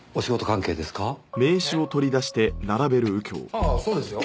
ああそうですよ。